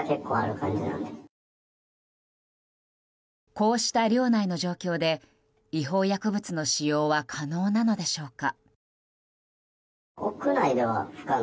こうした寮内の状況で違法薬物の使用は可能なのでしょうか。